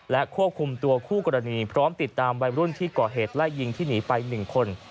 และควบคุมตัวคู่กรณีพร้อมติดตามวัยรุ่นที่ก่อเหตุไล่ยิงที่หนีไป๑คน